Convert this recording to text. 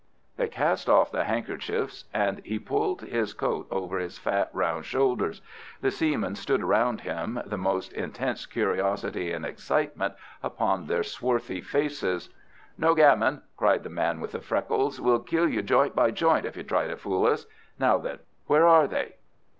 They cast off the handkerchiefs and he pulled his coat over his fat, round shoulders. The seamen stood round him, the most intense curiosity and excitement upon their swarthy faces. "No gammon!" cried the man with the freckles. "We'll kill you joint by joint if you try to fool us. Now then! Where are they?"